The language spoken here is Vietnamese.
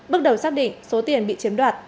bước đầu xác định số tiền bị chiếm đoạt